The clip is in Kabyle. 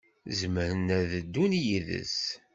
Zemrent ad ddun yid-s.